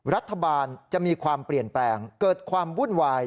รัฐบาลจะมีความเปลี่ยนแปลงเกิดความวุ่นวาย